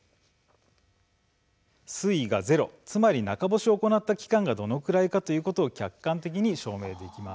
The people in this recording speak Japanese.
水位がゼロつまり中干しを行った期間がどのくらいかということを客観的に証明できます。